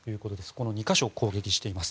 この２か所を攻撃しています。